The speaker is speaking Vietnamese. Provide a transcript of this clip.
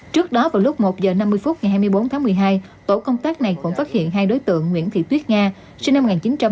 trước đó vào lúc một h năm mươi phút ngày hai mươi bốn tháng một mươi hai tổ công tác này cũng phát hiện hai đối tượng nguyễn thị tuyết nga sinh năm một nghìn chín trăm tám mươi